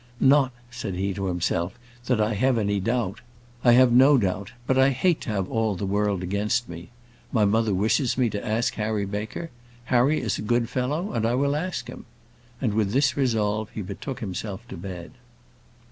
"Not," said he to himself, "that I have any doubt; I have no doubt; but I hate to have all the world against me. My mother wishes me to ask Harry Baker. Harry is a good fellow, and I will ask him." And with this resolve he betook himself to bed.